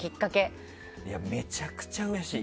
めちゃくちゃうれしい。